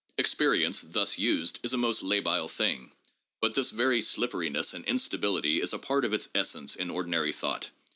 Experience, thus used, is a most labile thing; but this very slipperiness and instability is a part of its essence in ordinary thought.